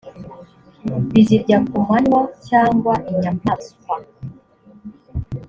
bizirya ku manywa cyangwa inyamaswa